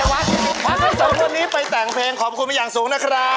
เฮ้ยหลายวันวันที่สองวันนี้ไปแต่งเพลงขอบคุณมาอย่างสูงนะครับ